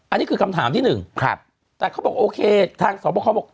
อันนี้คือคำถามที่หนึ่งครับแต่เขาบอกโอเคทางสอบประคอบอก